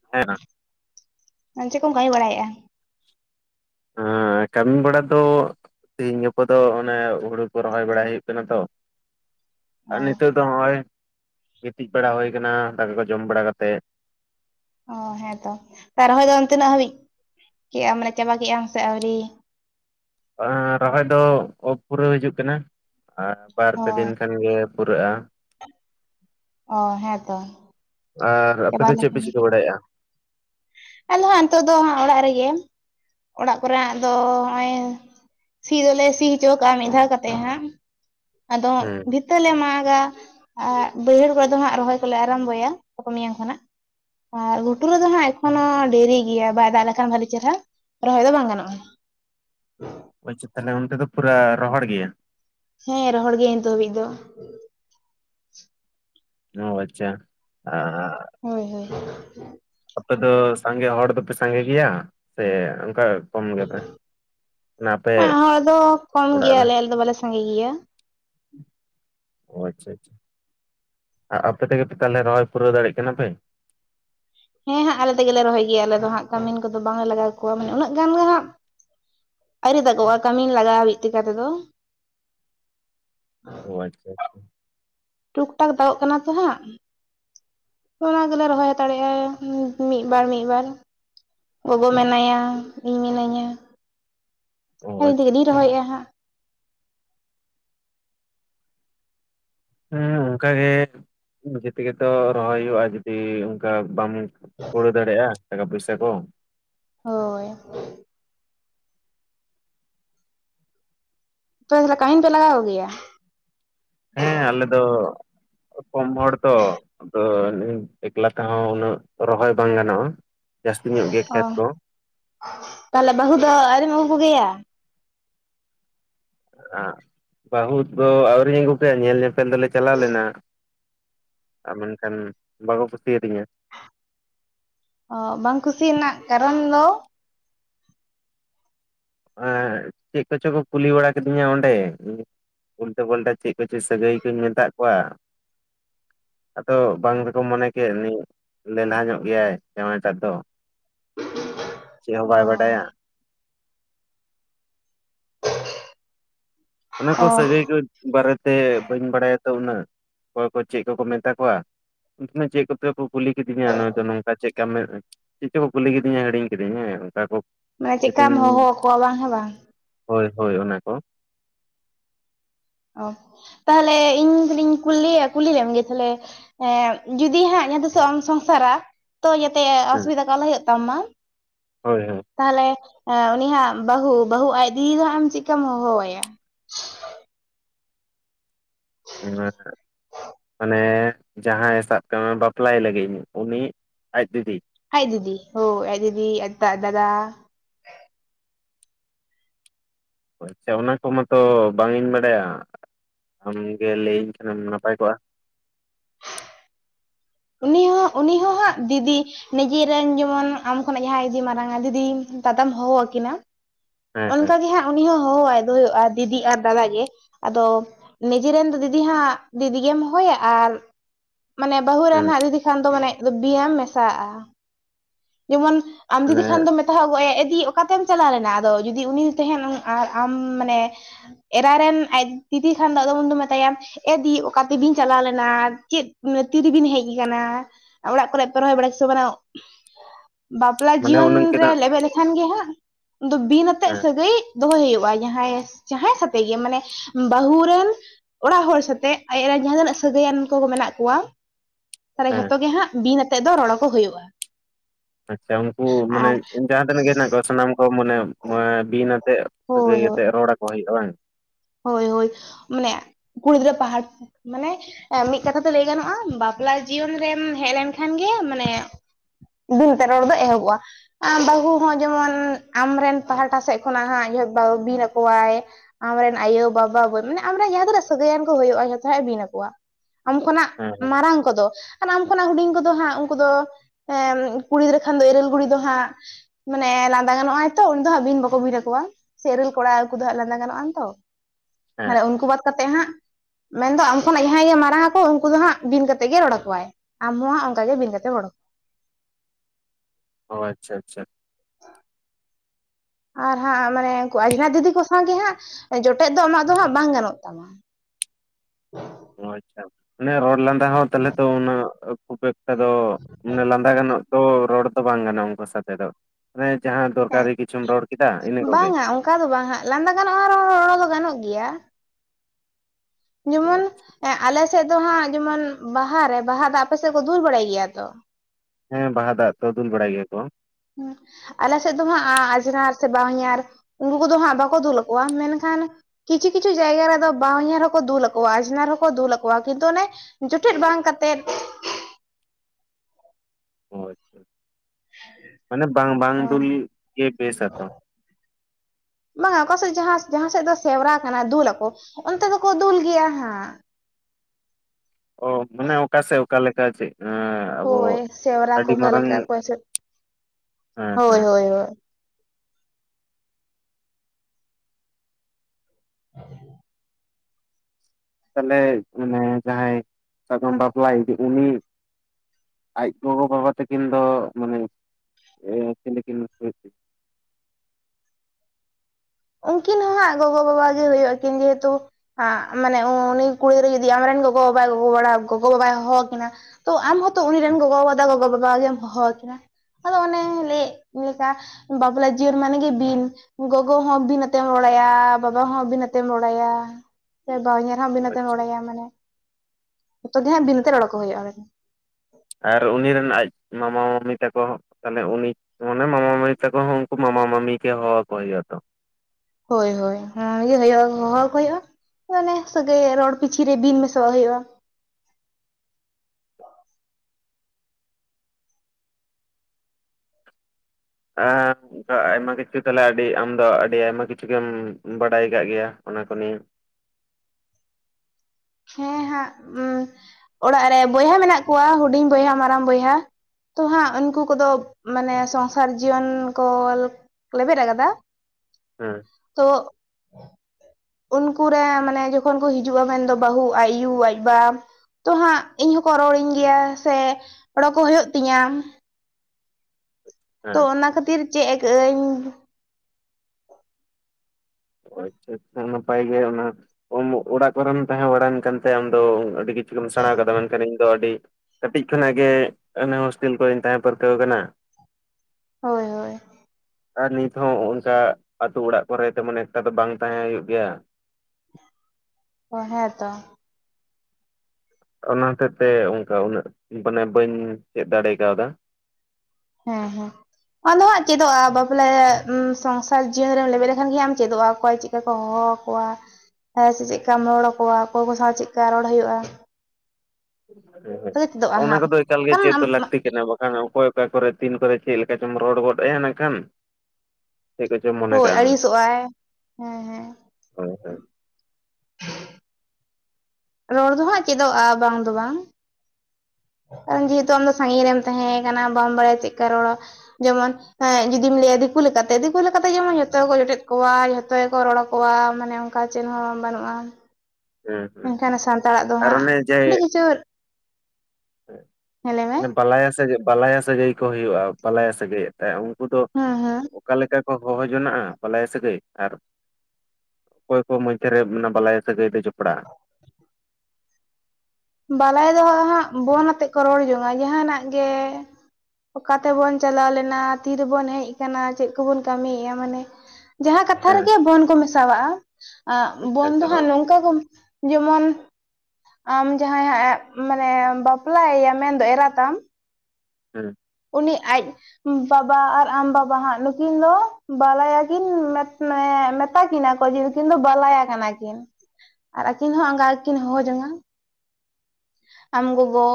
ᱦᱮ [unintelligible] ᱪᱮᱫ ᱠᱚᱢ ᱠᱟᱹᱢᱤ ᱵᱟᱲᱟᱭᱮᱜ-ᱟ? ᱦᱮᱸ ᱠᱟᱹᱢᱤ ᱵᱟᱲᱟ ᱫᱚ ᱛᱤᱦᱤᱧ ᱜᱟᱯᱟ ᱫᱚ ᱚᱱᱮ ᱦᱳᱲᱳ ᱠᱚ ᱨᱚᱦᱚᱭ ᱵᱟᱲᱟᱭ ᱦᱳᱭᱳᱜ ᱠᱟᱱᱟ ᱛᱚ ᱚ ᱟᱨ ᱱᱤᱛᱳᱜ ᱫᱚ ᱦᱚᱜᱼᱚᱭ ᱜᱤᱛᱤᱡ ᱵᱟᱲᱟ ᱦᱳᱭ ᱠᱟᱱᱟ ᱫᱟᱠᱟ ᱠᱚ ᱡᱚᱢ ᱵᱟᱲᱟ ᱠᱟᱛᱮᱫ ᱚ ᱦᱮᱸ ᱛᱚ ᱨᱚᱦᱚᱭ ᱫᱚᱢ ᱛᱤᱱᱟᱹᱜ ᱦᱟᱹᱵᱤᱡ ᱠᱮᱜ-ᱟ ᱢᱟᱱᱮ ᱪᱟᱵᱟ ᱠᱮᱜᱟᱢ ᱥᱮ ᱟᱹᱣᱨᱤ ᱚᱱᱟ ᱨᱚᱦᱚᱭ ᱫᱚ ᱯᱩᱨᱟᱹᱣ ᱦᱤᱡᱩᱜ ᱠᱟᱱᱟ ᱵᱟᱨ ᱚ ᱯᱮ ᱫᱤᱱ ᱠᱷᱟᱱ ᱜᱮ ᱯᱩᱨᱟᱹᱜᱼᱟ ᱚ ᱦᱮᱸᱛᱚ ᱟᱨ ᱟᱯᱮ ᱪᱟᱵᱟ ᱫᱚ ᱪᱮᱜ ᱯᱮ ᱞᱮᱠᱷᱟᱱ ᱪᱤᱠᱟᱹ ᱵᱟᱲᱟᱭᱮᱜᱼᱟ? ᱟᱞᱮ ᱦᱚᱸ ᱦᱟᱜ ᱱᱤᱛᱚᱜ ᱫᱚ ᱦᱟᱜ ᱚᱲᱟᱜ ᱨᱮᱜᱮ ᱚᱲᱟᱜ ᱠᱚᱨᱮᱱᱟᱜ ᱫᱚ ᱦᱚᱜᱼᱚᱭ ᱥᱤ ᱫᱚᱞᱮ ᱥᱤ ᱦᱚᱪᱚ ᱠᱟᱜᱼᱟ ᱢᱤᱫ ᱫᱷᱟᱣ ᱠᱟᱛᱮᱜ ᱦᱟᱜ ᱟᱫᱚ ᱦᱮᱸ [unintelligible] [unintelligible] ᱢᱟᱜᱟ ᱟᱨ ᱵᱟᱹᱭᱦᱟᱹᱲ ᱠᱚᱨᱮ ᱫᱚ ᱦᱟᱜ ᱨᱚᱦᱚᱭ ᱠᱚᱞᱮ ᱟᱨᱚᱵᱷᱚᱭᱟ ᱜᱟᱯᱟ ᱢᱮᱭᱟᱝ ᱠᱷᱚᱱᱟᱜ ᱟᱨ ᱜᱷᱩᱴᱩ ᱨᱮᱫᱚ ᱦᱟᱜ ᱮᱠᱷᱚᱱ ᱦᱚᱸ ᱰᱮᱨᱤ ᱜᱮᱭᱟ ᱵᱟᱭ ᱫᱟᱜ ᱞᱮᱠᱷᱟᱱ ᱵᱷᱟᱹᱞᱤ ᱪᱮᱦᱨᱟ ᱨᱚᱦᱚᱭ ᱫᱚ ᱵᱟᱝ ᱜᱟᱱᱚᱜᱼᱟ [unintelligible] ᱛᱟᱦᱚᱞᱮ ᱚᱱᱛᱮ ᱫᱚ ᱯᱩᱨᱟ ᱨᱚᱦᱚᱲ ᱜᱮᱭᱟ ᱦᱮᱸ ᱨᱚᱦᱚᱲ ᱜᱮᱭᱟ ᱱᱤᱛᱚᱜ ᱦᱟᱹᱵᱤᱡ ᱫᱚ ᱚᱸ ᱟᱪᱪᱷᱟ ᱟᱻ ᱦᱳᱭ ᱦᱳᱭ ᱟᱯᱮ ᱫᱚ ᱥᱟᱸᱜᱮ ᱦᱚᱲ ᱫᱚᱯᱮ ᱥᱟᱸᱜᱮ ᱜᱮᱭᱟ ᱥᱮ ᱚᱝᱠᱟ ᱠᱚᱢ ᱜᱮᱯᱮ ᱚᱱᱟ ᱟᱯᱮ ᱦᱮᱸ ᱦᱚᱲ ᱫᱚ ᱠᱚᱢ ᱚᱲᱟᱜ ᱨᱮ ᱜᱮᱭᱟᱞᱮ ᱟᱞᱮ ᱫᱚ ᱵᱟᱞᱮ ᱥᱟᱸᱜᱮ ᱜᱮᱭᱟ ᱚ ᱟᱪᱪᱷᱟ ᱟᱪᱪᱷᱟ ᱟᱯᱮ ᱛᱮᱜᱮ ᱯᱮ ᱛᱟᱦᱮᱞᱮ ᱨᱚᱦᱚᱭ ᱯᱩᱨᱟᱹᱣ ᱫᱟᱲᱮᱜ ᱠᱟᱱᱟ ᱯᱮ ᱦᱮᱸ ᱦᱟᱜ ᱟᱞᱮ ᱛᱮᱜᱮ ᱞᱮ ᱨᱚᱦᱚᱭ ᱜᱮᱭᱟ ᱟᱞᱮ ᱫᱚ ᱦᱟᱜ ᱠᱟᱹᱢᱤᱱ ᱠᱚᱫᱚ ᱵᱟᱝᱞᱮ ᱞᱟᱜᱟᱣ ᱠᱚᱣᱟ ᱢᱟᱱᱮ ᱩᱱᱟᱹᱜ ᱜᱟᱱ ᱜᱮ ᱦᱟᱜ ᱟᱹᱣᱨᱤ ᱫᱟᱜᱚᱜ-ᱟ ᱠᱟᱹᱢᱤᱱ ᱦᱟᱹᱵᱤᱡ ᱞᱮᱠᱟ ᱛᱮᱫᱚ ᱚ ᱟᱪᱪᱷᱟ ᱴᱩᱠ ᱴᱟᱠ ᱫᱟᱜᱚᱜ ᱠᱟᱱᱟ ᱛᱚᱸ ᱦᱟᱜ ᱚᱱᱟ ᱜᱮᱞᱮ ᱨᱚᱦᱚᱭ ᱦᱟᱛᱟᱲᱮᱜᱼᱟ ᱢᱤᱫ ᱵᱟᱨ ᱢᱤᱫ ᱵᱟᱨ ᱜᱚᱜᱚ ᱢᱮᱱᱟᱭᱟ ᱤᱧ ᱢᱤᱱᱟᱹᱧᱟ ᱚ ᱟᱪᱪᱷᱟ [unintelligible] ᱨᱚᱦᱚᱭᱮᱜᱼᱟ ᱦᱟᱜ ᱦᱮᱸ ᱚᱱᱠᱟ ᱜᱮ ᱱᱤᱡᱮ ᱛᱮᱜᱮ ᱛᱚ ᱨᱚᱦᱚᱭ ᱦᱩᱭᱩᱜᱼᱟ ᱡᱩᱫᱤ ᱚᱱᱠᱟ ᱵᱟᱢ ᱠᱩᱲᱟᱹ ᱫᱟᱲᱮᱭᱟᱜᱼᱟ ᱴᱟᱠᱟ ᱯᱩᱭᱥᱟᱹ ᱠᱚ ᱦᱳᱭ ᱛᱚ [unintelligible] ᱠᱟᱹᱢᱤᱱ ᱯᱮ ᱞᱟᱜᱟᱣ ᱠᱚ ᱜᱮᱭᱟ ᱦᱮᱸ ᱟᱞᱮ ᱫᱚ ᱠᱚᱢ ᱦᱚᱲ ᱛᱚ ᱟᱫᱚ ᱮᱠᱞᱟ ᱛᱮᱦᱚᱸ ᱩᱱᱟᱹᱜ ᱨᱚᱦᱚᱭ ᱵᱟᱝ ᱜᱟᱱᱚᱜᱼᱟ ᱡᱟᱹᱥᱛᱤ ᱧᱚᱜ ᱜᱮ ᱠᱷᱮᱛ ᱠᱚ ᱛᱟᱦᱞᱮ ᱵᱟᱹᱦᱩ ᱫᱚ ᱟᱹᱣᱨᱤᱢ ᱟᱹᱜᱩ ᱠᱚᱜᱮᱭᱟ ᱵᱟᱹᱦᱩ ᱫᱚ ᱟᱹᱣᱨᱤᱧ ᱟᱹᱜᱩ ᱯᱮᱭᱟ ᱧᱮᱞ ᱧᱮᱯᱮᱞ ᱫᱚ ᱞᱮ ᱪᱟᱞᱟᱣ ᱞᱮᱱᱟ ᱟᱨ ᱢᱮᱱᱠᱷᱟᱱ ᱵᱟᱠᱚ ᱠᱩᱥᱤ ᱭᱟᱹᱫᱤᱧᱟ ᱚ ᱵᱟᱝ ᱠᱩᱥᱤ ᱨᱮᱱᱟᱜ ᱠᱟᱨᱚᱱ ᱫᱚ ᱪᱮᱫ ᱠᱚᱪᱚ ᱠᱚ ᱠᱩᱞᱤ ᱵᱟᱲᱟ ᱠᱤᱫᱤᱧᱟ ᱚᱸᱰᱮ ᱩᱞᱴᱟᱹ ᱯᱩᱞᱴᱟᱹ ᱪᱮᱫ ᱠᱚ ᱪᱚ ᱥᱟᱹᱜᱟᱹᱭ ᱠᱩᱧ ᱢᱮᱛᱟᱜ ᱠᱚᱣᱟ ᱟᱫᱚ ᱵᱟᱝ ᱫᱚᱠᱚ ᱢᱚᱱᱮ ᱠᱮᱜ ᱩᱱᱤ ᱞᱮᱞᱦᱟ ᱧᱚᱜ ᱜᱮᱭᱟᱭ ᱡᱟᱶᱟᱭ ᱴᱟᱜ ᱫᱚ ᱪᱮᱫ ᱦᱚᱸ ᱚ ᱵᱟᱭ ᱵᱟᱰᱟᱭᱟ ᱚᱱᱟ ᱠᱚ ᱚ ᱥᱟᱹᱜᱟᱹᱭ ᱠᱚ ᱵᱟᱨᱮᱛᱮ ᱵᱟᱹᱧ ᱵᱟᱲᱟᱭᱟ ᱛᱚ ᱩᱱᱟᱹᱜ ᱚᱠᱚᱭ ᱠᱚ ᱪᱮᱫ ᱠᱚᱠᱚ ᱢᱮᱛᱟ ᱠᱚᱣᱟ [unintelligible] ᱠᱚᱛᱮ ᱠᱩᱞᱤ ᱠᱤᱫᱤᱧᱟ ᱱᱚ ᱱᱚᱝᱠᱟ ᱪᱮᱫ ᱞᱮᱠᱟᱢ ᱢᱮᱱ ᱮᱫᱟ ᱪᱮᱫ ᱪᱚ ᱠᱚ ᱠᱩᱞᱤ ᱠᱤᱫᱤᱧᱟ ᱦᱤᱲᱤᱧ ᱠᱤᱫᱤᱧ ᱦᱮᱸ ᱚᱱᱠᱟ ᱠᱚ ᱢᱟᱱᱮ ᱠᱤᱫᱤᱧ ᱪᱮᱠᱟᱢ ᱦᱚᱦᱚ ᱟᱠᱚᱣᱟ ᱵᱟᱝ ᱦᱮᱸ ᱵᱟᱝ ᱦᱳᱭ ᱦᱳᱭ ᱚᱱᱟ ᱠᱚ ᱚᱻ ᱛᱟᱦᱚᱞᱮ ᱤᱧ ᱫᱚᱞᱤᱧ ᱠᱩᱞᱤᱭ ᱠᱩᱞᱤ ᱞᱮᱢ ᱜᱮ ᱛᱟᱦᱞᱮ ᱮᱸ ᱡᱩᱫᱤ ᱦᱟᱸᱜ ᱡᱟᱦᱟᱸ ᱛᱤᱥᱚᱜ ᱮᱢ ᱥᱚᱝᱥᱟᱨᱟ ᱛᱚ ᱡᱟᱛᱮ ᱦᱮᱸ ᱚᱥᱩᱵᱤᱫᱷᱟ ᱠᱚ ᱟᱞᱚ ᱦᱩᱭᱩᱜ ᱛᱟᱢ ᱢᱟ ᱦᱳᱭ ᱦᱳᱭ ᱛᱟᱦᱚᱞᱮ ᱩᱱᱤ ᱦᱟᱸᱜ ᱵᱟᱹᱦᱩ ᱵᱟᱹᱦᱩ ᱟᱡ ᱫᱤᱫᱤ ᱫᱚ ᱟᱢ ᱪᱮᱜᱠᱟᱢ ᱦᱚᱦᱚᱣᱟᱭᱟ [unintelligible] ᱢᱟᱱᱮ ᱡᱟᱦᱟᱸᱭ ᱥᱟᱵ ᱠᱟᱜ ᱢᱮ ᱵᱟᱯᱞᱟᱭ ᱞᱟᱹᱜᱤᱫ ᱩᱱᱤ ᱟᱡ ᱫᱤᱫᱤ ᱟᱡ ᱫᱤᱫᱤ ᱦᱳᱭ ᱟᱡ ᱫᱤᱫᱤ ᱟᱡ ᱛᱟ ᱟᱡ ᱫᱟᱫᱟ ᱟᱪᱪᱷᱟ ᱚᱱᱟ ᱠᱚᱢᱟ ᱛᱚ ᱵᱟᱝ ᱤᱧ ᱵᱟᱲᱟᱭᱟ ᱟᱢᱜᱮ ᱞᱟᱹᱭᱟᱹᱧ ᱠᱷᱟᱱᱮᱢ ᱱᱟᱯᱟᱭ ᱠᱚᱜᱼᱟ ᱩᱱᱤ ᱦᱚᱸ ᱩᱱᱤ ᱦᱚᱸ ᱦᱟᱸᱜ ᱫᱤᱫᱤ ᱱᱤᱡᱮ ᱨᱮᱱ ᱡᱮᱢᱚᱱ ᱟᱢ ᱠᱷᱚᱱᱟᱜ ᱡᱟᱦᱟᱸᱭ ᱡᱩᱫᱤ ᱢᱟᱨᱟᱝᱟ ᱫᱤᱫᱤ ᱫᱟᱫᱟᱢ ᱦᱚᱦᱚ ᱟᱹᱠᱤᱱᱟ ᱦᱮᱸ ᱦᱮᱸ ᱚᱱᱠᱟ ᱜᱮ ᱦᱟᱸᱜ ᱩᱱᱤ ᱦᱚᱸ ᱦᱚᱦᱚ ᱣᱟᱭ ᱫᱚ ᱦᱩᱭᱩᱜᱼᱟ ᱫᱤᱫᱤ ᱟᱨ ᱫᱟᱫᱟ ᱜᱮ ᱟᱫᱚ ᱱᱤᱡᱮᱨᱮᱱ ᱫᱚ ᱫᱤᱫᱤ ᱦᱟᱸᱜ ᱫᱤᱫᱤ ᱜᱮᱢ ᱦᱚᱦᱚᱭᱟ ᱟᱨ ᱢᱟᱱᱮ ᱵᱟᱹᱦᱩ ᱨᱟᱱ ᱦᱮᱸ ᱦᱟᱸ ᱫᱤᱫᱤ ᱠᱷᱟᱱ ᱫᱚ ᱢᱟᱱᱮ ᱵᱮᱭᱟᱢ ᱢᱮᱥᱟᱣᱟᱜᱼᱟ ᱡᱮᱢᱚᱱ ᱟᱢ ᱫᱤᱫᱤ ᱢᱟᱱᱮ ᱠᱷᱟᱱ ᱫᱚ [unintelligible] ᱛᱚᱜ ᱮᱤᱫᱤ ᱚᱠᱟᱛᱮᱢ ᱪᱟᱞᱟᱣ ᱞᱮᱱᱟ ᱟᱫᱚ ᱡᱩᱫᱤ ᱩᱱᱤ ᱛᱟᱦᱮᱱ ᱟᱨ ᱟᱢ ᱢᱟᱱᱮ ᱮᱨᱟ ᱨᱮᱱ ᱟᱡ ᱫᱤᱫᱤ ᱠᱷᱟᱱ ᱫᱚ ᱟᱫᱚ ᱩᱱ ᱫᱚ ᱢᱮᱛᱟᱭᱟᱢ ᱮ ᱫᱤ ᱚᱠᱟ ᱛᱮᱵᱤᱱ ᱪᱟᱞᱟᱣ ᱞᱮᱱᱟ ᱪᱮᱫ ᱛᱤᱨᱮᱵᱤᱱ ᱦᱮᱡ ᱟᱠᱟᱱᱟ ᱚᱲᱟᱜ ᱠᱚᱨᱮ ᱯᱮ ᱨᱚᱦᱚᱭ ᱵᱟᱲᱟ ᱥᱮ [unintelligible] ᱵᱟᱝᱟ ᱵᱟᱯᱞᱟ ᱢᱟᱱᱮ ᱡᱤᱭᱚᱱ ᱨᱮ ᱩᱱᱠᱤᱱᱟᱜ ᱞᱮᱵᱮᱫ ᱞᱮᱠᱷᱟᱱ ᱜᱮ ᱦᱟᱸᱜ ᱫᱚ ᱵᱤᱱ ᱟᱛᱮᱫ ᱦᱮᱸ ᱥᱟᱹᱜᱟᱹᱭ ᱫᱚᱦᱚᱭ ᱦᱩᱭᱩᱜᱼᱟ ᱡᱟᱦᱟᱸᱭ ᱡᱟᱦᱟᱸᱭ ᱥᱟᱛᱮᱜ ᱜᱮ ᱢᱟᱱᱮ ᱵᱟᱹᱦᱩ ᱨᱮᱱ ᱚᱲᱟᱜ ᱦᱚᱲ ᱥᱟᱛᱮᱜ ᱟᱡ ᱨᱮᱱ ᱡᱟᱦᱟᱸ ᱛᱤᱱᱟᱜ ᱥᱟᱹᱜᱟᱹᱭᱟᱱ ᱠᱚ ᱢᱮᱱᱟᱜ ᱠᱚᱣᱟ ᱛᱟᱦᱚᱞᱮ ᱦᱮᱸ ᱡᱷᱚᱛᱚ ᱜᱮ ᱦᱟᱸᱜ ᱵᱤᱱ ᱟᱛᱮᱮᱫ ᱫᱚ ᱨᱚᱲᱚ ᱠᱚ ᱦᱩᱭᱩᱜᱼᱟ ᱟᱪᱪᱷᱟ ᱩᱱᱠᱩ ᱢᱟᱱᱮ ᱟᱨ ᱡᱟᱦᱟᱸ ᱛᱤᱤᱱ ᱜᱮ ᱦᱮᱱᱟᱜ ᱠᱚᱣᱟ ᱥᱟᱱᱟᱢ ᱠᱚ ᱢᱟᱱᱮ ᱵᱤᱱ ᱟᱛᱮᱫ ᱥᱟᱹᱜᱟᱹᱭ ᱠᱟᱛᱮᱫ ᱨᱚᱲ ᱟᱠᱚ ᱦᱩᱭᱩᱜᱼᱟ ᱵᱟᱝ ᱦᱳᱭᱼᱦᱳᱭ ᱢᱟᱱᱮ ᱠᱩᱲᱤ ᱜᱤᱫᱽᱨᱟᱹ ᱯᱟᱦᱟᱲ ᱢᱟᱱᱮ ᱢᱤᱫ ᱠᱟᱛᱷᱟ ᱛᱮ ᱞᱟᱹᱭ ᱜᱟᱱᱚᱜᱼᱟ ᱵᱟᱯᱞᱟ ᱡᱤᱭᱚᱱ ᱨᱮᱢ ᱦᱮᱡ ᱞᱮᱱᱠᱷᱟᱱᱜ ᱢᱟᱱᱮ ᱵᱤᱱ ᱛᱮ ᱨᱚᱲ ᱫᱚ ᱮᱦᱚᱵᱚᱜᱼᱟ ᱟᱢ ᱵᱟᱹᱦᱩ ᱦᱚᱸ ᱡᱮᱢᱚᱱ ᱟᱢᱨᱮᱱ ᱯᱟᱦᱴᱟ ᱥᱮᱫ ᱠᱷᱚᱱᱟᱜ ᱮᱦᱚᱵ ᱵᱤᱱ ᱟᱠᱚᱣᱟᱭ ᱟᱢᱨᱮᱱ ᱟᱭᱳ ᱵᱟᱵᱟ ᱵᱳ ᱢᱟᱱᱮ ᱟᱢᱨᱮ ᱡᱟᱦᱟᱸ ᱛᱤᱱᱟᱹ ᱥᱟᱹᱜᱟᱹᱭᱟᱱ ᱠᱚ ᱦᱩᱭᱩᱜᱼᱟ ᱡᱷᱚᱛᱚ ᱦᱟᱸᱜ ᱮ ᱵᱤᱱ ᱟᱠᱚᱣᱟ ᱟᱢ ᱠᱷᱚᱱᱟᱜ ᱦᱮᱸ ᱦᱮᱸ ᱢᱟᱨᱟᱝ ᱠᱚᱫᱚ ᱟᱨ ᱟᱢ ᱠᱷᱚᱱᱟᱜ ᱦᱩᱰᱤᱧ ᱠᱚᱫᱚ ᱦᱟᱸᱜ ᱩᱱᱠᱩ ᱫᱚ ᱮ ᱠᱩᱲᱤ ᱜᱤᱫᱽᱟᱹ ᱠᱷᱟᱱ ᱫᱚ ᱤᱨᱟᱹᱞ ᱠᱩᱩᱲᱤ ᱫᱚ ᱦᱟᱸᱜ ᱢᱟᱱᱮ ᱞᱟᱸᱫᱟ ᱜᱟᱱᱚᱜ ᱟᱭ ᱛᱚ ᱩᱱᱤ ᱫᱚ ᱦᱟᱸᱜ ᱵᱤᱱ ᱵᱟᱠᱚ ᱵᱤᱱ ᱟᱠᱚᱣᱟ ᱥᱮ ᱤᱨᱤᱞ ᱠᱚᱲᱟ ᱩᱱᱠᱩ ᱫᱚ ᱦᱟᱸᱜ ᱞᱟᱸᱫᱟ ᱜᱟᱱᱚᱜᱼᱟ ᱛᱚ ᱦᱮᱸ ᱢᱟᱱᱮ ᱩᱱᱠᱩ ᱵᱟᱫ ᱠᱟᱛᱮᱜ ᱦᱟᱸᱜ ᱢᱟᱱᱮ ᱫᱚ ᱟᱢ ᱠᱷᱚᱱᱟᱜ ᱡᱟᱦᱟᱸᱭ ᱜᱮ ᱢᱟᱨᱟᱝ ᱟᱠᱚ ᱩᱱᱠᱩ ᱫᱚ ᱦᱟᱸᱜ ᱵᱤᱱ ᱠᱟᱛᱮ ᱜᱮᱭ ᱨᱚᱲᱟ ᱟᱠᱚᱣᱟᱭ ᱟᱢ ᱦᱚᱸ ᱦᱟᱜ ᱚᱱᱠᱟ ᱜᱮ ᱵᱤᱱ ᱠᱟᱛᱮ [unintelligible] ᱚ ᱟᱪᱪᱷᱟ ᱼ ᱟᱪᱪᱷᱟ ᱟᱨ ᱦᱟᱸᱜ ᱢᱟᱱᱮ ᱩᱱᱠᱩ ᱟᱡᱽᱷᱱᱟᱨ ᱫᱤᱫᱤ ᱠᱚ ᱥᱟᱶ ᱜᱮ ᱦᱟᱸᱜ ᱡᱚᱴᱮᱫ ᱫᱚ ᱟᱢᱟᱜ ᱫᱚ ᱦᱟᱸᱜ ᱵᱟᱝ ᱜᱟᱱᱚᱜ ᱛᱟᱢᱟ [inaudible] ᱚ ᱟᱪᱪᱷᱟ ᱢᱟᱱᱮ ᱨᱚᱲ ᱞᱟᱸᱫᱟ ᱦᱚᱸ ᱛᱟᱦᱚᱞᱮ ᱛᱚ ᱩᱱᱟᱹᱜ ᱠᱷᱩᱵ ᱮᱠᱴᱟ ᱫᱚ ᱢᱟᱱᱮ ᱞᱟᱸᱫᱟ ᱜᱟᱱᱚᱜ ᱛᱚ ᱨᱚᱲ ᱫᱚ ᱵᱟᱝ ᱜᱟᱱᱚᱜ ᱩᱱᱠᱩ ᱥᱟᱛᱮ ᱫᱚ ᱢᱟᱱᱮ ᱡᱟᱦᱟᱸ ᱦᱮᱸ ᱫᱚᱨᱠᱟᱨᱤ ᱠᱤᱪᱷᱩᱢ ᱨᱚᱲ ᱠᱮᱫᱟ ᱤᱱᱟᱹ ᱠᱚᱜᱮ ᱵᱟᱝᱟ ᱚᱱᱠᱟ ᱫᱚ ᱵᱟᱝ ᱦᱟᱸᱜ ᱞᱟᱸᱫᱟ ᱜᱟᱱᱚᱜᱼᱟ ᱨᱚᱲ ᱫᱚ ᱜᱟᱱᱚᱜ ᱜᱮᱭᱟ ᱚ ᱡᱮᱢᱚᱱ ᱟᱪᱪᱷᱟ, ᱟᱞᱮ ᱥᱮᱫ ᱫᱚ ᱦᱟᱸᱜ ᱡᱮᱢᱚᱱ ᱵᱟᱦᱟᱨᱮ ᱵᱟᱦᱟ ᱨᱮ ᱵᱟᱦᱟ ᱫᱟᱜ ᱟᱯᱮ ᱥᱮᱫ ᱠᱚ ᱫᱩᱞ ᱵᱟᱲᱟᱭ ᱜᱮᱭᱟ ᱛᱚ ᱦᱮᱸ ᱵᱟᱦᱟ ᱫᱟᱜ ᱛᱚ ᱫᱩᱞ ᱵᱟᱲᱟᱭ ᱜᱮᱭᱟ ᱠᱚ ᱟᱞᱮ ᱥᱮᱫ ᱫᱚ ᱦᱟᱸᱜ ᱟᱡᱱᱟᱨ ᱥᱮ ᱵᱟᱣᱦᱧᱟᱨ ᱩᱱᱠᱩ ᱠᱚᱫᱚ ᱦᱟᱸᱜ ᱵᱟᱠᱚ ᱫᱩᱞ ᱟᱠᱚᱣᱟ ᱢᱮᱱᱠᱷᱟᱱ ᱠᱤᱪᱷᱩᱼᱠᱤᱪᱩᱷ ᱡᱟᱭᱜᱟ ᱨᱮᱫᱚ ᱵᱟᱣᱦᱧᱟᱨ ᱦᱚᱠᱚ ᱫᱩᱞ ᱟᱠᱚᱣᱟ ᱟᱡᱽᱱᱟᱨ ᱦᱚᱸ ᱠᱚ ᱫᱩᱞ ᱟᱠᱚᱣᱟ ᱠᱤᱱᱛᱩ ᱚᱱᱮ ᱡᱚᱴᱮᱫ ᱵᱟᱝ ᱠᱟᱛᱮᱫ ᱚ ᱟᱪᱪᱷᱟ, [unintelligible] ᱢᱟᱱᱮ ᱵᱟᱝ ᱵᱟᱝ ᱫᱩᱞ ᱜᱮ ᱵᱮᱥ-ᱟ ᱛᱚ ᱵᱟᱝᱟ ᱚᱠᱟ ᱥᱮᱫ ᱡᱟᱦᱟᱸ ᱡᱟᱦᱟᱸ ᱥᱮᱫ ᱫᱚ ᱥᱮᱣᱨᱟ ᱠᱟᱱᱟ ᱫᱩᱞ ᱟᱠᱚ ᱚᱱᱛᱮ ᱫᱚᱠᱚ ᱫᱩᱞ ᱜᱮᱭᱟ ᱦᱟᱸᱜ ᱚ ᱢᱟᱱᱮ ᱚᱠᱟ ᱥᱮᱫ ᱚᱠᱟ ᱞᱮᱠᱟ ᱪᱮ ᱦᱳᱭ ᱥᱮᱨᱣᱟ ᱠᱚ ᱚᱠᱟ ᱞᱮᱠᱟ ᱚᱠᱟ ᱥᱮᱫ ᱦᱮᱸ ᱦᱮᱸ ᱦᱳᱭ ᱦᱳᱭ ᱦᱳᱭ [inaudible] ᱛᱟᱦᱞᱮ ᱢᱟᱱᱮ ᱡᱟᱦᱟᱸᱭ ᱥᱟᱹᱜᱩᱱ ᱵᱟᱯᱞᱟ ᱤᱫᱤ ᱩᱱᱤ ᱟᱡ ᱜᱚᱜᱚ-ᱵᱟᱵᱟ ᱛᱟᱹᱠᱤᱱ ᱫᱚ ᱢᱟᱱᱮ ᱮ ᱪᱤᱞᱤ [unintelligible] ᱩᱱᱠᱤᱱ ᱦᱚᱸ ᱦᱟᱸᱜ ᱜᱚᱜᱚᱼᱵᱟᱵᱟ ᱜᱮ ᱦᱩᱭᱩᱜᱼᱟᱠᱤᱱ ᱡᱮ ᱦᱩᱛᱩ ᱟᱸᱜ ᱢᱟᱱᱮ ᱩᱱᱤ ᱠᱩᱲᱤ [unintelligible] ᱡᱩᱫᱤ ᱟᱢᱨᱮᱱ ᱜᱚᱜᱚᱼᱵᱟᱵᱟᱭ ᱦᱚᱦᱚ ᱵᱟᱲᱟ ᱜᱚᱜᱚ ᱵᱟᱵᱟᱭ ᱦᱚᱦᱚ ᱟᱠᱤᱱᱟ ᱛᱚ ᱟᱢᱦᱚᱛᱚ ᱩᱱᱤ ᱨᱮᱱ ᱜᱚᱜᱚ ᱵᱟᱵᱟ ᱫᱚ ᱜᱚᱜᱚ ᱵᱟᱵᱟ ᱜᱮᱢ ᱦᱚᱦᱚᱣᱟᱠᱤᱱᱟ ᱟᱫᱚ ᱚᱱᱮ ᱞᱟᱹᱭ ᱞᱮᱠᱟ ᱵᱟᱯᱞᱟ ᱡᱤᱭᱚᱱ ᱢᱟᱱᱮ ᱜᱮ ᱵᱤᱱ ᱜᱚᱜᱚ ᱦᱚᱸ ᱵᱤᱱ ᱟᱛᱮᱢ ᱨᱚᱲᱟᱭᱟ ᱵᱟᱵᱟ ᱦᱚᱸ ᱵᱤᱱ ᱟᱛᱮᱢ ᱨᱚᱲᱟᱭᱟ ᱥᱮ ᱵᱟ ᱦᱚᱧᱟᱨ [unintelligible] ᱵᱤᱱ ᱟᱛᱮᱢ ᱟᱪᱪᱷᱟ ᱨᱚᱲᱟᱭᱟ ᱢᱟᱱᱮ ᱡᱚᱛᱚ ᱜᱮ ᱦᱟᱸᱜ ᱵᱤᱱ ᱟᱛᱮᱫ ᱨᱚᱲᱚ ᱦᱩᱭᱩᱜᱼᱟ ᱟᱵᱮᱱ ᱟᱨ ᱩᱱᱤ ᱨᱮᱱ ᱟᱡ ᱢᱟᱢᱟᱼᱢᱟᱢᱤ ᱛᱟᱠᱚ ᱛᱟᱦᱚᱞᱮ ᱩᱱᱤ ᱚᱱᱮ ᱢᱟᱢᱟ ᱢᱟᱢᱤ ᱛᱟᱠᱚ ᱦᱚ ᱩᱱᱠᱩ ᱢᱟᱢᱟ ᱢᱟᱢᱤ ᱠᱮ ᱦᱚᱦᱚ ᱟᱠᱚ ᱦᱳᱭᱳᱜᱼᱟ ᱛᱚ᱾ ᱦᱳᱭ ᱦᱳᱭ ᱚᱱᱟᱜᱮ ᱦᱩᱭᱩᱜᱼᱟ᱾ ᱦᱚᱦᱚ ᱟᱠᱚ ᱦᱩᱭᱩᱜᱼᱟ᱾ ᱚᱱᱮ ᱥᱟᱹᱜᱟᱹᱭ ᱨᱚᱲ ᱯᱤᱪᱷᱤ ᱨᱮ ᱵᱤᱱ ᱢᱮᱥᱟᱣᱟᱜ ᱦᱩᱭᱩᱜᱼᱟ᱾ [unintelligible] ᱚᱱᱠᱟ ᱟᱭᱢᱟ ᱠᱤᱪᱷᱩ ᱛᱟᱦᱮ ᱟᱹᱰᱤ ᱟᱢ ᱫᱚ ᱟᱹᱰᱤ ᱟᱭᱢᱟ ᱠᱤᱪᱷᱩ ᱜᱮᱢ ᱵᱟᱰᱟᱭ ᱟᱠᱟᱜ ᱜᱮᱭᱟ ᱚᱱᱟ ᱠᱚ ᱱᱤᱭᱟ᱾ ᱦᱮᱸ ᱦᱟᱸᱜ ᱚᱲᱟᱜ ᱨᱮ ᱵᱚᱭᱦᱟ ᱢᱮᱱᱟᱜ ᱠᱚᱣᱟ ᱦᱩᱰᱤᱧ ᱵᱚᱭᱦᱟ ᱢᱟᱨᱟᱝ ᱵᱚᱭᱦᱟ ᱛᱚ ᱦᱟᱸᱜ ᱩᱱᱠᱩ ᱠᱚᱫᱚ ᱢᱟᱱᱮ ᱥᱚᱝᱥᱟᱨ ᱡᱤᱭᱚᱱ ᱠᱚ ᱞᱮᱵᱮᱫ ᱟᱠᱟᱫᱟ᱾ ᱦᱮᱸ᱾ ᱛᱚ ᱩᱱᱠᱩᱨᱮ ᱢᱟᱱᱮ ᱡᱚᱠᱷᱚᱱ ᱠᱚ ᱦᱤᱡᱩᱜᱼᱟ ᱢᱮᱱᱫᱚ ᱵᱟᱹᱦᱩ ᱟᱭᱩ ᱟᱡ ᱵᱟ ᱛᱚ ᱦᱟᱸᱜ ᱤᱧ ᱦᱚᱸᱠᱚ ᱨᱚᱲ ᱤᱧ ᱜᱮᱭᱟ ᱥᱮ ᱚᱰᱚ ᱠᱚ ᱦᱩᱭᱩᱜ ᱛᱤᱧᱟ ᱦᱮᱸ ᱛᱚ ᱚᱱᱟ ᱠᱷᱟᱹᱛᱤᱨ ᱪᱮᱫ ᱠᱟᱜ ᱟᱹᱧ᱾ ᱟᱪᱪᱷᱟ ᱟᱪᱪᱷᱟ ᱱᱟᱯᱟᱭ ᱜᱮ ᱚᱱᱟᱢ ᱚᱲᱟᱜ ᱠᱚᱨᱮᱢ ᱛᱟᱦᱮᱸ ᱵᱟᱲᱟᱭᱮᱱ ᱠᱟᱱᱛᱮ ᱟᱢ ᱫᱚ ᱟᱹᱰᱤ [unintelligible] ᱥᱮᱬᱟ ᱠᱟᱫᱟ ᱢᱮᱱᱠᱷᱟᱱ ᱤᱧ ᱫᱚ ᱟᱹᱰᱤ ᱠᱟᱹᱴᱤᱡ ᱠᱷᱚᱱᱟᱜ ᱜᱮ ᱚᱱᱟ ᱦᱳᱥᱴᱮᱞ ᱠᱚᱨᱮᱧ ᱛᱟᱦᱮᱸ ᱯᱟᱹᱨᱠᱟᱹᱣ ᱟᱠᱟᱱᱟ᱾ ᱦᱳᱭ ᱦᱳᱭ᱾ ᱟᱨ ᱱᱤᱛ ᱦᱚᱸ ᱚᱱᱠᱟ ᱟᱹᱛᱩ ᱚᱲᱟᱜ ᱠᱚᱨᱮ ᱛᱮᱢᱚᱱ ᱮᱠᱴᱟ ᱫᱚ ᱵᱟᱝ ᱛᱟᱦᱮᱸ ᱦᱩᱭᱩᱜ ᱜᱮᱭᱟ᱾ ᱳ ᱦᱮᱛᱚ᱾ ᱚᱱᱟ ᱦᱚᱛᱮᱜ ᱛᱮ ᱚᱱᱠᱟ ᱩᱱᱟᱹᱜ ᱢᱟᱱᱮ ᱵᱟᱹᱧ ᱪᱮᱫ ᱫᱟᱲᱮ ᱠᱟᱣᱫᱟ᱾ ᱦᱮᱸ ᱦᱮᱸ᱾ ᱚᱱᱮ ᱦᱟᱸᱜ ᱪᱮᱫᱚᱜᱼᱟ ᱵᱟᱯᱮᱞ ᱥᱚᱝᱥᱟᱨ ᱡᱤᱭᱚᱱ ᱨᱮᱢ ᱞᱮᱵᱮ ᱞᱮᱠᱷᱟᱱ ᱜᱮ ᱟᱢ ᱪᱮᱫᱚᱜᱼᱟ ᱚᱠᱚᱭ ᱪᱮ ᱠᱚ ᱦᱚᱦᱚᱣ ᱟᱠᱚᱣᱟ ᱥᱮ ᱪᱮᱫᱠᱟᱢ ᱨᱚᱲ ᱟᱠᱚᱣᱟ ᱚᱠᱚᱭ ᱠᱚ ᱥᱟᱶ ᱪᱮᱫ ᱠᱟ ᱨᱚᱲ ᱦᱩᱭᱩᱜᱼᱟ᱾ ᱦᱮᱸ ᱦᱮᱸ ᱛᱚᱵᱮ ᱪᱮᱫᱚᱜᱼᱟ ᱚᱱᱟ ᱦᱟᱸᱜ ᱠᱚᱫᱚ ᱮᱠᱟᱞ ᱜᱮ ᱠᱟᱨᱚᱱ ᱪᱮᱫ ᱟᱢ ᱫᱚ ᱞᱟᱹᱠᱛᱤ ᱠᱟᱱᱟ ᱵᱟ ᱠᱷᱟᱱ ᱚᱠᱚᱭ ᱚᱠᱟ ᱠᱚᱨᱮ ᱛᱤᱱ ᱠᱚᱨᱮ ᱪᱮᱫ ᱞᱮᱠᱟ ᱪᱚᱢ ᱨᱚᱲ ᱜᱚᱫᱼᱟ ᱱᱟᱜ ᱠᱷᱟᱱ᱾ ᱪᱮᱫ ᱠᱚᱪᱚᱢ ᱢᱚᱱᱮ ᱦᱳᱭ ᱠᱟᱜᱼᱟ ᱱᱟᱜ᱾ ᱟᱹᱲᱤᱥᱚᱜᱼᱟᱭ ᱦᱮᱸ ᱦᱮᱸ᱾ ᱦᱳᱭ ᱦᱳᱭ᱾ ᱨᱚᱲ ᱫᱚ ᱦᱟᱸᱜ ᱪᱮᱫᱚᱜᱼᱟ ᱵᱟᱝ ᱫᱚ ᱵᱟᱝ ᱟᱢ ᱡᱮᱦᱮᱛᱩ ᱟᱢ ᱫᱚ ᱥᱟᱺᱜᱤᱧ ᱨᱮᱢ ᱛᱟᱦᱮᱸ ᱠᱟᱱᱟ ᱵᱟᱢ ᱵᱟᱲᱟᱭᱟ ᱪᱮᱫ ᱠᱟ ᱨᱚᱲ ᱡᱮᱢᱚᱱ ᱦᱮᱸ ᱡᱩᱫᱤᱢ ᱞᱟᱹᱭᱟ ᱫᱤᱠᱩ ᱞᱮᱠᱟ ᱛᱮ ᱫᱤᱠᱩ ᱞᱮᱠᱟ ᱛᱮ ᱡᱮᱢᱚᱱ ᱡᱷᱚᱛᱚ ᱜᱮ ᱠᱚ ᱡᱚᱴᱮᱫ ᱠᱚᱣᱟ ᱡᱷᱚᱛᱚ ᱜᱮᱠᱚ ᱨᱚᱲ ᱟᱠᱚᱣᱟ ᱢᱟᱱᱮ ᱚᱱ ᱚᱠᱟ ᱪᱮᱫ ᱦᱚᱸ ᱵᱟᱹᱱᱩᱜᱼᱟ ᱦᱮᱸ ᱦᱮᱸ ᱢᱮᱱᱠᱷᱟᱱ ᱥᱟᱱᱛᱟᱲᱟᱜ ᱫᱚ ᱟᱨ ᱦᱟᱸᱜ ᱚᱱᱮ ᱡᱮ ᱟᱹᱰᱤ ᱠᱤᱪᱷᱩ [unintelligible] ᱦᱮᱸ ᱞᱟᱹᱭ ᱢᱮ ᱵᱟᱞᱟᱭᱟ ᱥᱟᱹᱜᱟᱹᱭ ᱵᱟᱞᱟᱭᱟ ᱥᱟᱹᱜᱟᱹᱭ ᱠᱚ ᱦᱩᱭᱩᱜᱼᱟ ᱵᱟᱞᱟᱭᱟ ᱥᱟᱹᱜᱟᱹᱭᱮᱫ ᱛᱟᱭ ᱩᱱᱠᱩ ᱫᱚ ᱦᱮᱸ ᱦᱮᱸ᱾ ᱚᱠᱟ ᱞᱮᱠᱟ ᱠᱚ ᱦᱚᱦᱚ ᱡᱚᱱᱟᱜᱼᱟ ᱵᱟᱞᱟᱭᱟ ᱥᱟᱹᱜᱟᱹᱭ ᱟᱨ ᱚᱠᱚᱭ ᱠᱚ ᱢᱟᱚᱫᱽᱫᱷᱮ ᱨᱮ ᱵᱟᱞᱟᱭᱟ ᱥᱟᱹᱜᱟᱹᱭ ᱫᱚ ᱡᱚᱯᱲᱟᱜᱼᱟ? ᱵᱟᱞᱟᱭ ᱫᱚ ᱦᱟᱸᱜ ᱦᱟᱸᱜ ᱵᱚᱱ ᱟᱛᱮᱜ ᱠᱚ ᱨᱚᱲ ᱡᱚᱝᱼᱟ ᱡᱟᱦᱟᱸᱱᱟᱜ ᱜᱮ ᱚᱠᱟ ᱛᱮᱵᱚᱱ ᱪᱟᱞᱟᱣ ᱞᱮᱱᱟ ᱛᱤᱨᱮᱵᱚᱱ ᱦᱮᱡ ᱠᱟᱱᱟ ᱪᱮᱫ ᱠᱚᱵᱚᱱ ᱠᱟᱹᱢᱤᱭᱮᱟ ᱢᱟᱱᱮ ᱡᱟᱦᱟᱸ ᱠᱟᱛᱷᱟ ᱦᱮᱸ ᱨᱮᱜᱮ ᱦᱮᱸ ᱵᱚᱱ ᱠᱚ ᱢᱮᱥᱟᱣᱟᱜᱼᱟ ᱟᱪᱪᱷᱟ ᱵᱚᱱ ᱫᱚ ᱟᱪᱪᱷᱟ ᱦᱟᱸᱜ ᱦᱳᱭ ᱱᱚᱝᱠᱟ ᱠᱚ ᱡᱮᱢᱚᱱ ᱟᱢ ᱡᱟᱦᱟᱸᱭ ᱦᱟᱸᱜ ᱮ ᱢᱟᱱᱮ ᱵᱟᱯᱞᱟᱭᱮᱭᱟ ᱢᱮᱱᱫᱚ ᱮᱨᱟᱛᱟᱢ ᱦᱮᱸ᱾ ᱩᱱᱤ ᱟᱡ ᱵᱟᱵᱟ ᱟᱨ ᱟᱢ ᱵᱟᱵᱟ ᱦᱟᱸᱜ ᱱᱩᱠᱤᱱ ᱫᱚ ᱵᱟᱞᱟᱭᱟ ᱠᱤᱱ ᱢᱮᱛᱟ ᱠᱤᱱᱟ ᱠᱚ ᱡᱮ ᱱᱩᱠᱤᱱ ᱫᱚ ᱵᱟᱞᱟᱭ ᱠᱟᱱᱟ ᱠᱤᱱ᱾ ᱟᱨ ᱟᱹᱠᱤᱱ ᱦᱚᱸ ᱟᱸᱜᱟ ᱜᱮᱠᱤᱱ ᱦᱚᱦᱚ ᱡᱚᱝᱟ᱾ ᱟᱢ ᱜᱚᱜᱚ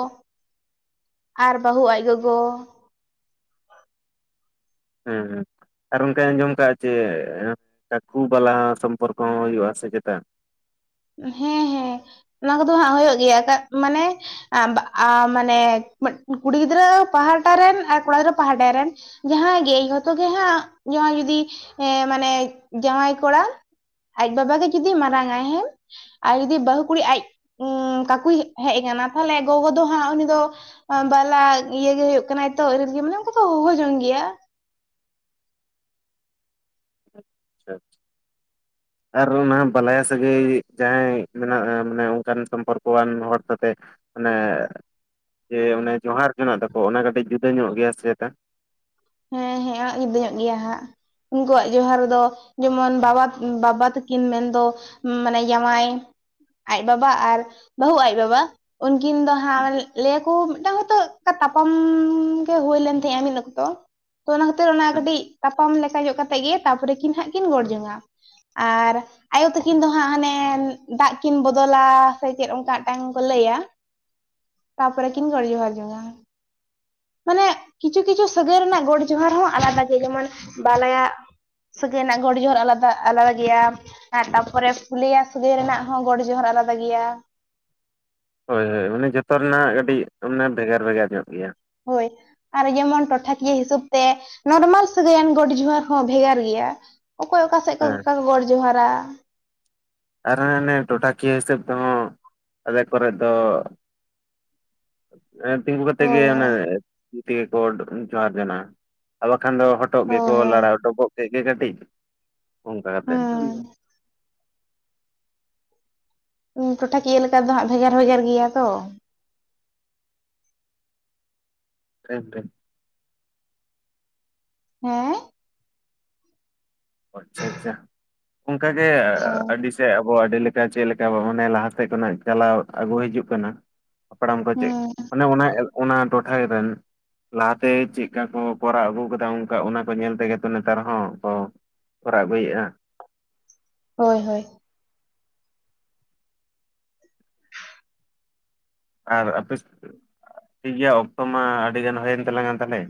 ᱟᱨ ᱵᱟᱹᱦᱩ ᱟᱡ ᱜᱚᱜᱚ ᱦᱮᱸ ᱦᱮᱸ ᱟᱨ ᱚᱱᱠᱟᱧ ᱟᱸᱡᱚᱢ ᱠᱟᱜ ᱪᱮ ᱠᱟᱠᱩ ᱵᱟᱞᱟ ᱥᱚᱢᱯᱚᱨᱠᱚ ᱦᱚᱸ ᱦᱩᱭᱩᱜᱼᱟ ᱥᱮ ᱪᱮᱛᱟ? ᱦᱮᱸ ᱦᱮᱸ ᱚᱱᱟ ᱠᱚᱫᱚ ᱦᱟᱸᱜ ᱦᱩᱭᱩᱜ ᱜᱮᱭᱟ ᱢᱟᱱᱮ ᱟᱵ ᱟ ᱢᱟᱱᱮ ᱠᱩᱲᱤ ᱜᱤᱫᱽᱨᱟᱹ ᱯᱟᱦᱴᱟ ᱨᱮᱱ ᱟᱨ ᱠᱚᱲᱟ ᱜᱤᱫᱽᱨᱟᱹ ᱯᱟᱦᱴᱟ ᱨᱮᱱ ᱡᱟᱦᱟᱸᱭ ᱜᱮ ᱡᱚᱛᱚ ᱜᱮ ᱦᱟᱸᱜ ᱡᱟᱦᱟᱸᱭ ᱡᱚᱫᱤ ᱮ ᱢᱟᱱᱮ ᱡᱟᱶᱟᱭ ᱠᱚᱲᱟ ᱟᱡ ᱵᱟᱵᱟ ᱜᱮ ᱡᱩᱫᱤ ᱢᱟᱨᱟᱝᱟᱭ ᱦᱮᱸ ᱟᱨ ᱡᱩᱫᱤ ᱵᱟᱹᱦᱩ ᱠᱩᱲᱤ ᱟᱡ ᱠᱟᱠᱩᱭ ᱦᱮᱡ ᱠᱟᱱᱟ ᱛᱟᱦᱚᱞᱮ ᱜᱚᱜᱚ ᱫᱚ ᱦᱟᱸᱜ ᱩᱱᱤ ᱫᱚ ᱵᱟᱞᱟ ᱤᱭᱟᱹ ᱜᱮ ᱦᱩᱭᱩᱜ ᱠᱟᱱᱟᱭ ᱛᱚ [unintelligible] ᱢᱟᱱᱮ ᱚᱱᱠᱩ ᱛᱚ ᱦᱚᱦᱚ ᱡᱚᱝ ᱜᱮᱭᱟ ᱟᱪᱪᱷᱟ ᱟᱨ ᱚᱱᱟ ᱵᱟᱞᱟᱭᱟ ᱥᱟᱹᱜᱟᱹᱭ ᱡᱟᱦᱟᱸᱭ ᱢᱮᱱᱟᱜᱼᱟ ᱢᱟᱱᱮ ᱚᱱᱠᱟᱱ ᱥᱚᱢᱯᱚᱨᱠᱚᱣᱟᱱ ᱦᱚᱲ ᱥᱟᱛᱮ ᱚᱱᱮ ᱡᱮ ᱚᱱᱮ ᱡᱚᱦᱟᱨ ᱡᱚᱱᱟᱜ ᱫᱚᱠᱚ ᱚᱱᱟ ᱠᱟᱹᱴᱤᱡ ᱡᱩᱫᱟᱹ ᱧᱚᱜ ᱜᱮᱭᱟ ᱥᱮ ᱞᱮᱠᱟ ᱦᱮᱸ ᱦᱮᱸ ᱤᱫᱤᱭᱮᱜ ᱜᱮᱭᱟ ᱦᱟᱸᱜ ᱩᱱᱠᱩᱣᱟᱜ ᱡᱚᱦᱟᱨ ᱫᱚ ᱡᱮᱢᱚᱱ ᱵᱟᱵᱟ, ᱵᱟᱵᱟ ᱛᱟᱹᱠᱤᱱ ᱢᱮᱱᱫᱚ ᱢᱟᱱᱮ ᱡᱟᱶᱟᱭ ᱟᱡ ᱵᱟᱵᱟ ᱟᱨ ᱵᱟᱹᱦᱩ ᱟᱡ ᱵᱟᱵᱟ ᱩᱝᱠᱤᱱ ᱫᱚ ᱦᱟᱸᱜ [unintelligible] ᱠᱚ ᱢᱤᱫᱴᱟᱝ ᱦᱚᱭᱛᱳ ᱛᱟᱯᱟᱢ ᱜᱮ ᱦᱩᱭ ᱞᱮᱱ ᱛᱟᱦᱮᱸᱜᱼᱟ ᱢᱤᱫ ᱚᱠᱛᱚ ᱛᱚ ᱚᱱᱟ ᱠᱷᱟᱹᱛᱤᱨ ᱚᱱᱟ ᱠᱟᱹᱴᱤᱡ ᱛᱟᱯᱟᱢ ᱞᱮᱠᱟ ᱧᱚᱜ ᱠᱟᱛᱮᱫ ᱜᱮ ᱛᱟᱨᱯᱚᱨᱮ ᱠᱤᱱ ᱦᱟᱸᱜ ᱠᱤᱱ ᱜᱚᱲ ᱡᱚᱝᱼᱟ ᱟᱨ ᱟᱭᱳ ᱛᱟᱠᱤᱱ ᱫᱚ ᱦᱟᱸᱜ ᱦᱟᱱᱮ ᱫᱟᱜ ᱠᱤᱱ ᱵᱚᱫᱚᱞᱟ ᱥᱮ ᱪᱮᱫ ᱚᱝᱠᱟ ᱢᱤᱫᱴᱟᱝ ᱠᱚ ᱞᱟᱹᱭᱟ [inaudible] ᱛᱟᱯᱚᱨᱮ ᱠᱤᱱ ᱜᱚᱰ ᱡᱚᱦᱟᱨ ᱡᱚᱝᱟᱜ-ᱟ ᱢᱟᱱᱮ ᱠᱤᱪᱷᱩ ᱠᱤᱪᱷᱩ ᱥᱟᱹᱜᱟᱹᱭ ᱨᱮᱱᱟᱜ ᱜᱚᱰ ᱡᱚᱦᱟᱨ ᱦᱚᱸ ᱟᱞᱟᱫᱟ ᱜᱮ ᱡᱮᱢᱚᱱ ᱵᱟᱞᱟᱭᱟ ᱥᱟᱹᱜᱟᱹᱭ ᱨᱮᱱᱟᱜ ᱜᱚᱰ ᱡᱷᱚᱦᱚᱨ ᱟᱞᱟᱫᱟ ᱟᱞᱟᱫᱟ ᱜᱮᱭᱟ ᱟᱨ ᱛᱟᱯᱚᱨᱮ ᱯᱷᱩᱞᱮᱭᱟ ᱥᱟᱹᱜᱟᱹᱭ ᱨᱮᱱᱟᱜ ᱦᱚᱸ ᱜᱚᱰ ᱡᱚᱦᱟᱨ ᱟᱞᱟᱫᱟ ᱜᱮᱭᱟ ᱦᱳᱭ ᱦᱳᱭ ᱢᱟᱱᱮ ᱡᱚᱛᱚ ᱨᱮᱱᱟᱜ ᱠᱟᱹᱴᱤᱡ ᱢᱟᱱᱮ ᱵᱷᱮᱜᱟᱨ ᱵᱷᱮᱜᱟᱨ ᱧᱚᱜ ᱜᱮᱭᱟ ᱦᱳᱭ ᱟᱨ ᱡᱮᱢᱚᱱ ᱴᱚᱴᱷᱟᱠᱤᱭᱟᱹ ᱦᱤᱥᱟᱹᱵ ᱛᱮ ᱱᱚᱨᱢᱟᱞ ᱥᱟᱹᱜᱟᱹᱭᱟᱱ ᱜᱚᱰ ᱡᱚᱦᱟᱨ ᱦᱚᱸ ᱵᱷᱮᱜᱟᱨ ᱜᱮᱭᱟ ᱚᱠᱚᱭ ᱚᱠᱟ ᱥᱮᱫ ᱦᱮᱸ ᱠᱚ ᱜᱚᱰ ᱡᱚᱦᱟᱨᱟ ᱟᱨ ᱚᱱᱮ ᱴᱚᱴᱷᱟᱠᱤᱭᱟᱹ ᱦᱤᱥᱟᱹᱵ ᱛᱮᱦᱚᱸ ᱟᱞᱮ ᱠᱚᱨᱮ ᱫᱚ ᱛᱤᱸᱜᱩ ᱠᱟᱛᱮᱫ ᱜᱮ ᱦᱳᱭ ᱚᱱᱮ ᱦᱳᱭ ᱛᱮᱜᱮ ᱠᱚ ᱡᱚᱦᱟᱨ ᱡᱚᱱᱟᱜ-ᱟ ᱟᱨ ᱵᱟᱠᱷᱟᱱ ᱫᱚ ᱦᱚᱴᱚᱜ ᱦᱳᱭ ᱜᱮᱠᱚ ᱦᱳᱭ ᱞᱟᱲᱟᱣ ᱰᱚᱵᱚᱜ ᱠᱮᱫ ᱜᱮ ᱠᱟᱹᱴᱤᱡ ᱚᱝᱠᱟ ᱠᱟᱛᱮᱫ ᱦᱩᱸ, ᱴᱚᱴᱷᱟᱠᱤᱭᱟᱹ ᱞᱮᱠᱟ ᱫᱚ ᱦᱟᱸᱜ ᱵᱷᱮᱜᱟᱨ ᱵᱷᱮᱜᱟᱨ ᱜᱮᱭᱟ ᱛᱚ ᱴᱷᱤᱠ ᱴᱷᱤᱠ ᱦᱮᱸ ᱟᱪᱪᱷᱟ ᱟᱪᱪᱷᱟ ᱚᱝᱠᱟ ᱜᱮ ᱦᱮᱸ ᱟᱹᱰᱤ ᱥᱮ ᱟᱵᱚ ᱟᱹᱰᱤ ᱞᱮᱠᱟ ᱪᱮᱫ ᱞᱮᱠᱟ ᱢᱚᱱᱮ ᱞᱟᱦᱟ ᱥᱮᱫ ᱠᱷᱚᱱᱟᱜ ᱪᱟᱞᱟᱣ ᱟᱹᱜᱩ ᱦᱤᱡᱩᱜ ᱠᱟᱱᱟ᱾ ᱦᱟᱯᱲᱟᱢ ᱠᱚ ᱪᱮᱫ ᱦᱩᱸ ᱢᱟᱱᱮ ᱚᱱᱟ ᱚᱱᱟ ᱴᱚᱴᱷᱟ ᱨᱮᱱ ᱞᱟᱦᱟᱛᱮ ᱪᱮᱫᱠᱟ ᱠᱚ ᱠᱚᱨᱟᱣ ᱟᱹᱜᱩ ᱟᱠᱟᱫᱟ ᱚᱝᱠᱟ ᱚᱱᱟ ᱠᱚ ᱧᱮᱞ ᱛᱮᱜᱮ ᱛᱚ ᱱᱮᱛᱟᱨ ᱦᱚᱸ ᱠᱚ ᱠᱚᱨᱟᱣ ᱟᱜᱩᱭᱮᱜ-ᱟ ᱦᱳᱭ ᱦᱳᱭ ᱟᱨ ᱟᱯᱮ ᱴᱷᱤᱠ ᱜᱮᱭᱟ ᱚᱠᱛᱚ ᱢᱟ ᱟᱹᱰᱤ ᱜᱟᱱ ᱦᱩᱭᱮᱱ ᱛᱟᱞᱟᱝᱟ ᱛᱟᱞᱦᱮ